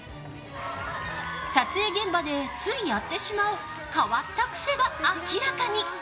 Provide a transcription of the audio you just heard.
撮影現場でついやってしまう変わった癖が明らかに。